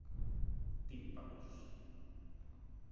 Tímpanos.